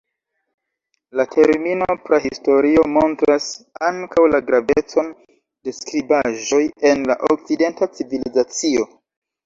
La termino prahistorio montras ankaŭ la gravecon de skribaĵoj en la okcidenta civilizacio.